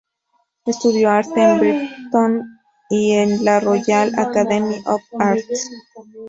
Estudió arte en Brighton y en la Royal Academy of Arts.